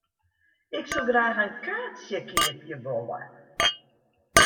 Ik soe graach in kaartsje keapje wolle.